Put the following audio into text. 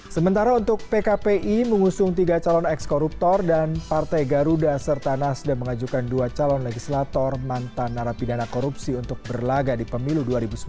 sementara untuk pkpi mengusung tiga calon ekskoruptor dan partai garuda serta nasdem mengajukan dua calon legislator mantan narapidana korupsi untuk berlaga di pemilu dua ribu sembilan belas